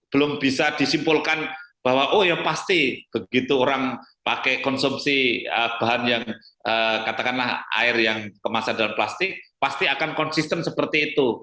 belum bisa disimpulkan bahwa oh ya pasti begitu orang pakai konsumsi bahan yang katakanlah air yang kemasan dalam plastik pasti akan konsisten seperti itu